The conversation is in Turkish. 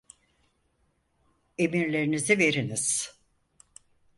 Emirlerinizi veriniz!